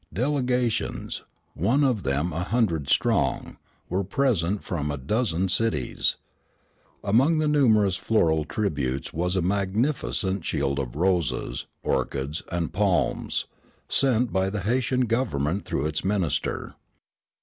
Delegations, one of them a hundred strong, were present from a dozen cities. Among the numerous floral tributes was a magnificent shield of roses, orchids, and palms, sent by the Haytian government through its minister.